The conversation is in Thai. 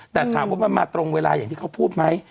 แต่ถามว่ามันมาตรงเวลาอย่างที่เขาพูดไหม